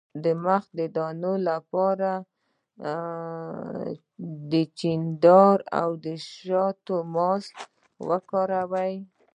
د مخ د دانو لپاره د دارچینی او شاتو ماسک وکاروئ